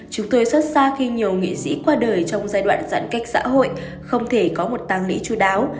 chúng tôi rất xa khi nhiều nghệ sĩ qua đời trong giai đoạn giãn cách xã hội không thể có một tàng lĩ chú đáo